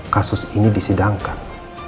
kasus ini disidangkan